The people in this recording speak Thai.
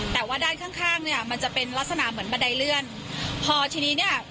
แต่ว่าด้านข้างข้างเนี่ยมันจะเป็นลักษณะเหมือนบันไดเลื่อนพอทีนี้เนี้ย